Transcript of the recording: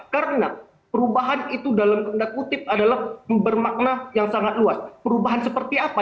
karena perubahan itu dalam kenda kutip adalah bermakna yang sangat luas perubahan seperti apa